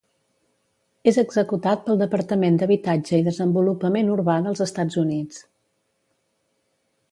És executat pel Departament d'Habitatge i Desenvolupament Urbà dels Estats Units.